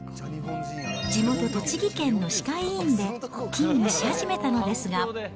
地元栃木県の歯科医院で勤務し始めたのですが。